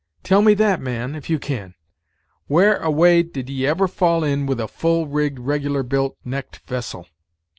tell me that, man, if you can; where away did'ee ever fall in with a full rigged, regular built, necked vessel?"